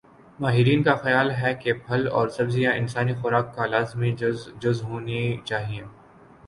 ماہرین کا خیال ہے کہ پھل اور سبزیاں انسانی خوراک کا لازمی جز ہونی چاہئیں